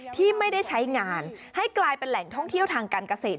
ที่ไม่ได้ใช้งานให้กลายเป็นแหล่งท่องเที่ยวทางการเกษตร